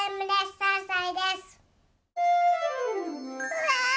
うわ！